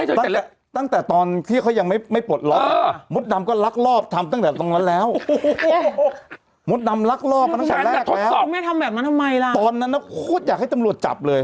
เดี๋ยววันนั้นน่ะโคตรอยากให้ตำรวจจับเลย